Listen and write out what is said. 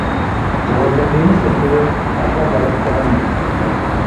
ትወለቢኒ ስርሄብ አፍሀ በርቅ ጥለም።